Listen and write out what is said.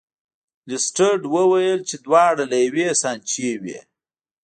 لیسټرډ وویل چې دواړه له یوې سانچې وې.